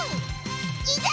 いざ